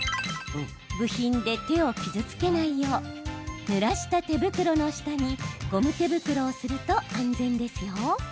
部品で手を傷つけないようぬらした手袋の下にゴム手袋をすると安全ですよ。